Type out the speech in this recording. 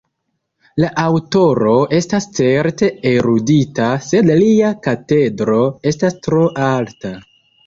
La aŭtoro estas certe erudita, sed lia katedro estas tro alta.